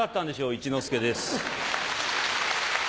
一之輔です。